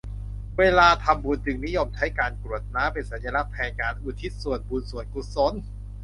เวลาทำบุญจึงนิยมใช้การกรวดน้ำเป็นสัญลักษณ์แทนการอุทิศส่วนบุญส่วนกุศล